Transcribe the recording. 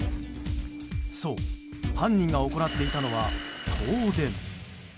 そう、犯人が行っていたのは盗電。